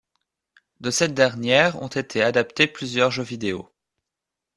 De cette dernière, ont été adaptés plusieurs jeux vidéo.